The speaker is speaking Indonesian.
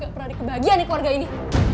gak pernah dikebahagiaan nih keluarga ini